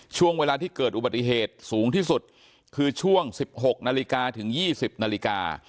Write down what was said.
ช่วงเวลาที่เกิดอุบัติเหตุสูงที่สุดคือช่วง๑๖นาฬิกาถึง๒๐นาฬิกา